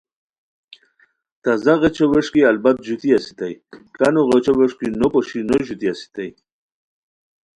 تازہ غیچھو ویݰکی البت ژُوتی اسیتائے، کانو غیچھو ویݰکی نو پوشی نو ژوتی اسیتائے